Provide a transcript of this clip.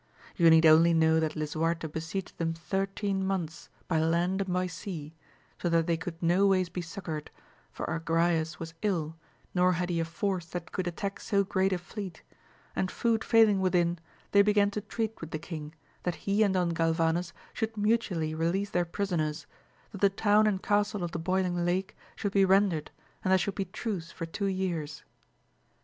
You need only know that Lisuarte besieged them thirteen months by land and by sea, so that they could no ways be succoured, for Agrayes was ill, nor had he a force that could attack so great a fleet ; and food failing within, they began to treat with the king, that he and Don Galvanes should mutually release their prisoners, that the town and castle of the Boiling Lake should be rendered, and there should be truce for two years.